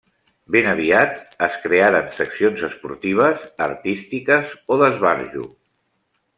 Ben aviat es crearen seccions esportives, artístiques o d'esbarjo.